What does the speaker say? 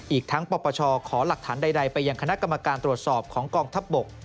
อีกทั้งปปชขอหลักฐานใดไปยังคณะกรรมการตรวจสอบของกองทัพบก